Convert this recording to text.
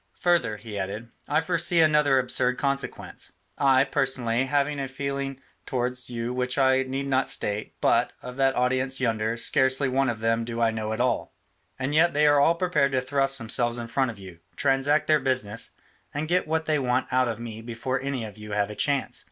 Further," he added, "I foresee another absurd consequence. I, personally, have a feeling towards you which I need not state, but, of that audience yonder, scarcely one of them do I know at all, and yet they are all prepared to thrust themselves in front of you, transact their business, and get what they want out of me before any of you have a chance.